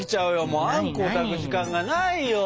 もうあんこを炊く時間がないよ。